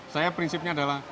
saya prinsipnya adalah